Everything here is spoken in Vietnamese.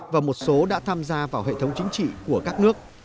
và một số đã tham gia vào hệ thống chính trị của các nước